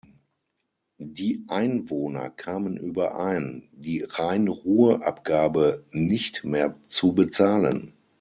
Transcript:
Die Einwohner kamen überein, die "Rhein-Ruhr-Abgabe" nicht mehr zu bezahlen.